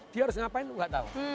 dia harus ngapain tidak tahu